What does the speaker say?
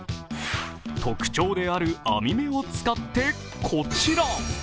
特徴である網目を使って、こちら。